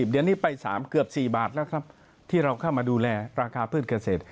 เดี๋ยวนี้ไป๓เกือบ๔บาทแล้วครับที่เราเข้ามาดูแลราคาพืชเกษตร